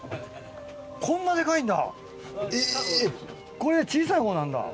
これで小さい方なんだ。